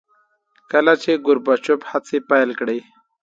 کله چې ګورباچوف هڅې پیل کړې.